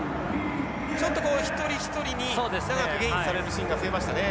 ちょっと一人一人に長くゲインされるシーンが増えましたね。